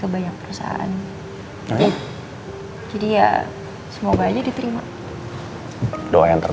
gimana kondisi lu ari